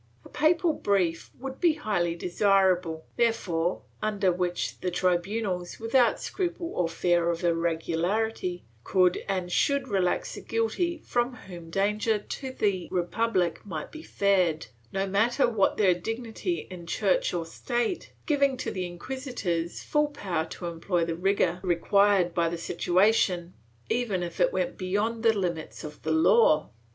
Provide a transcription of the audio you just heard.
A papal brief would be highly desirable, therefore, imder which the tribunals, without scruple or fear of irregularity, could and should relax the guilty from whom danger to the republic might be feared, no matter what their dignity in Church or State, giving to the inquisitors full power to employ the rigor required by the situation, even if it went beyond the limits of the law.